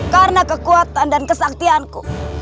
karena kekuatan dan kesaktianku